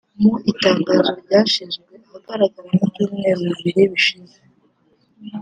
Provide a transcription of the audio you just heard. Mu itangazo ryashyizwe ahagaragara mu byumweru bibiri bishize